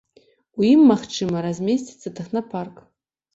У ім, магчыма, размесціцца тэхнапарк.